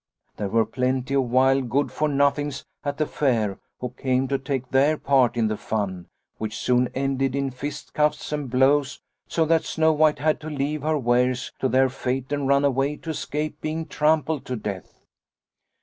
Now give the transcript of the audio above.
There were plenty of wild good for nothings at the fair who came to take their part in the fun, which soon ended in fisticuffs and blows, so that Snow White had to leave her wares to their fate and run away to escape being trampled to death.